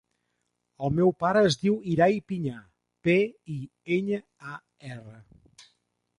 El meu pare es diu Irai Piñar: pe, i, enya, a, erra.